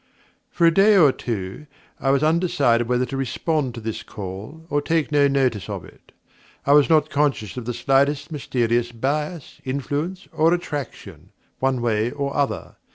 For a day or two I was undecided whether to respond to this call, or take no notice of it. I was not conscious of the slightest mysterious bias, influence, or attraction, one way or other.